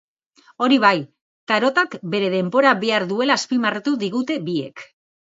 Hori bai, tarotak bere denbora behar duela azpimarratu digute biek.